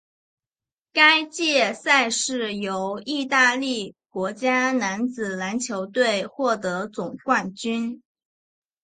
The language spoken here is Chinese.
该届赛事由义大利国家男子篮球队获得总冠军。